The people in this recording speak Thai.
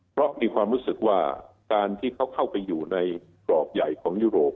เพราะมีความรู้สึกว่าการที่เขาเข้าไปอยู่ในกรอบใหญ่ของยุโรป